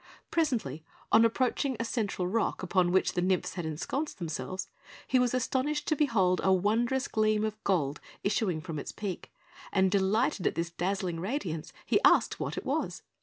Presently, on approaching a central rock, upon which the nymphs had ensconced themselves, he was astonished to behold a wondrous gleam of gold issuing from its peak, and delighted at this dazzling radiance, he asked what it was.